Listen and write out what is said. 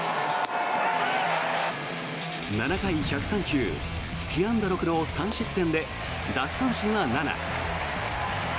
７回１０３球被安打６の３失点で奪三振は７。